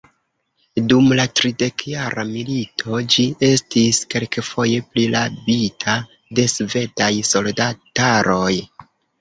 Dum la tridekjara milito ĝi estis kelkfoje prirabita de svedaj soldataroj.